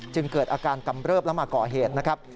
จึงเกิดอาการกำเลิฟแล้วมาเกาะเหตุนะครับ